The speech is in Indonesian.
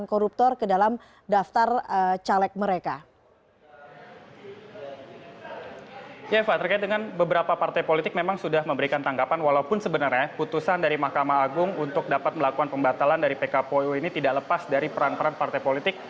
keputusan dari mahkamah agung untuk dapat melakukan pembatalan dari pkpu ini tidak lepas dari peran peran partai politik